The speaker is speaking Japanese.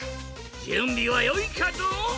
じゅんびはよいかドン？